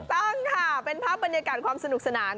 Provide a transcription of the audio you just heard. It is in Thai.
ต้องค่ะเป็นภาพบรรยากาศความสนุกสนาน